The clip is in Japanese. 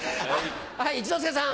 はい一之輔さん。